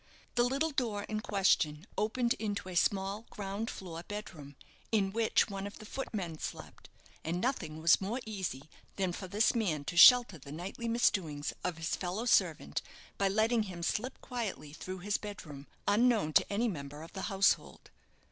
The little door in question opened into a small ground floor bed room, in which one of the footmen slept; and nothing was more easy than for this man to shelter the nightly misdoings of his fellow servant by letting him slip quietly through his bedroom, unknown to any member of the household.